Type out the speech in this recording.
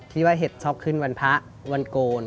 ที่ว่าเห็ดชอบขึ้นวันพระวันโกน